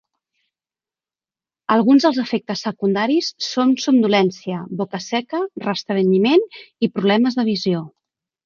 Alguns dels efectes secundaris són somnolència, boca seca, restrenyiment i problemes de visió.